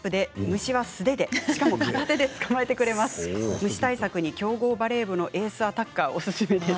虫対策に強豪バレー部のエースアタッカーおすすめです。